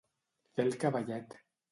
Fer el cavallet.